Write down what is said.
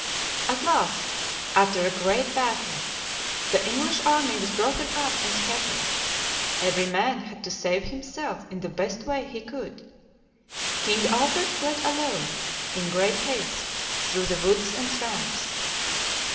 At last, after a great battle, the English army was broken up and scat tered. Every man had to save himself in the best way he could. King Alfred fled alone, in great haste, through the woods and swamps.